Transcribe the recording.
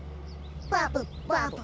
バブバブ。